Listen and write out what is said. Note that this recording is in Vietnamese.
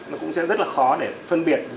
nó cũng sẽ rất là khó để phân biệt